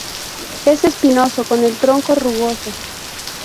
Es espinoso con el tronco rugoso.